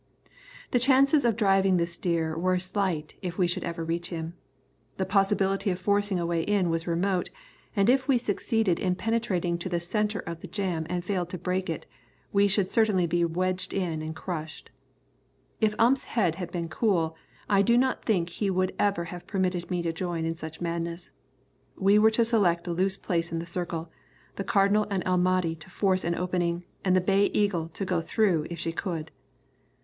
The chances of driving this steer out were slight if we should ever reach him. The possibility of forcing a way in was remote, and if we succeeded in penetrating to the centre of the jam and failed to break it, we should certainly be wedged in and crushed. If Ump's head had been cool, I do not think he would ever have permitted me to join in such madness. We were to select a loose place in the circle, the Cardinal and El Mahdi to force an opening, and the Bay Eagle to go through if she could.